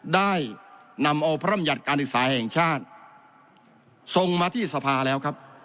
ได้นำเอาพระรำยัติการศึกษาแห่งชาติทรงมาที่สภาแล้วครับ